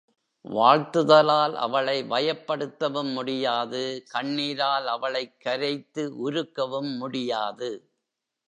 வாழ்த்துதலால் அவளை வயப்படுத்தவும் முடியாது கண்ணீரால் அவளைக் கரைத்து உருக்கவும் முடியாது.